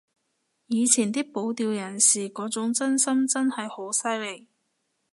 以前啲保釣人士嗰種真心真係好犀利